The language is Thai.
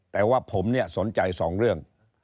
แต่ว่าผมเนี่ยสนใจสองเรื่อง